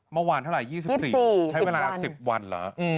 เมื่อวานเท่าไหร่๒๔ใช้เวลา๑๐วันเหรอ